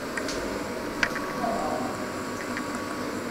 Qqneɣ-am.